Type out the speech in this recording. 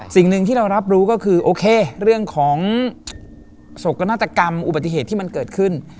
สิ่งหนึ่งที่เรารับรู้ก็คือโอเคเรื่องของโศกนาฏกรรมอุบัติเหตุที่มันเกิดขึ้น